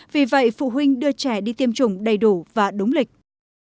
vì vậy phụ huynh đưa trẻ đi tiêm chủng đầy đủ và đúng lịch